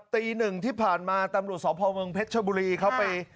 ตีหนึ่งที่ผ่านมาตำรวจสพเมืองเพชรชบุรีเขาไป